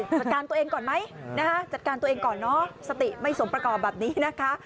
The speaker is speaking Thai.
จัดการตัวเองก่อนไหมนะคะจัดการตัวเองก่อนเนอะสติไม่สมประกอบแบบนี้นะคะ